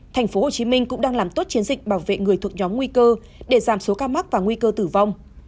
tp hcm cũng đang làm tốt chiến dịch bảo vệ người thuộc nhóm nguy cơ để giảm số ca mắc và nguy cơ tử vong